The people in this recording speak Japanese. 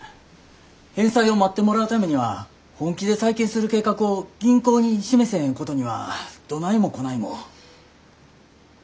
返済を待ってもらうためには本気で再建する計画を銀行に示せへんことにはどないもこないも。